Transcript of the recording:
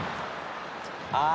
ああ。